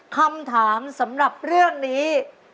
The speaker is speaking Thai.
คำถามสำหรับเรื่องนี้